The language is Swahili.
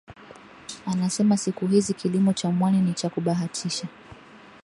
Anasema siku hizi kilimo cha mwani ni cha kubahatisha